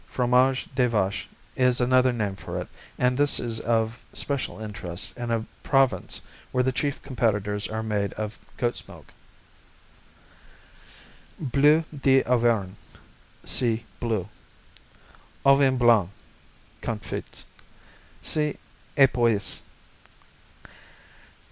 Fromage de Vache is another name for it and this is of special interest in a province where the chief competitors are made of goat's milk. Auvergne, Bleu d' see Bleu. Au Vin Blanc, Confits see Epoisses.